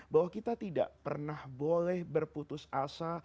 bahwa kita tidak pernah boleh berputus asa